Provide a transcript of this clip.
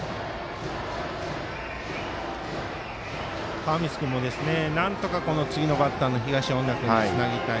川満君もなんとか次のバッターの東恩納君につなげたい。